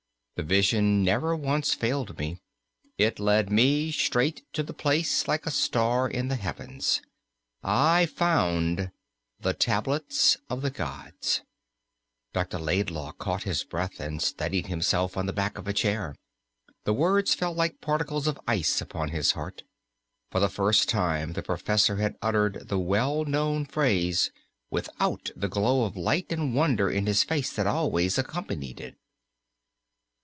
The vision never once failed me. It led me straight to the place like a star in the heavens. I found the Tablets of the Gods." Dr. Laidlaw caught his breath, and steadied himself on the back of a chair. The words fell like particles of ice upon his heart. For the first time the professor had uttered the well known phrase without the glow of light and wonder in his face that always accompanied it.